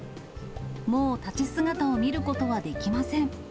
もう立ち姿を見ることはできません。